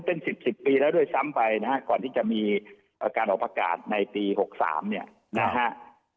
เป็น๑๐๑๐ปีแล้วด้วยซ้ำไปนะฮะก่อนที่จะมีการออกประกาศในปี๖๓เนี่ยนะฮะ